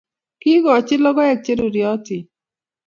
Kiikoch logoek che ruryotin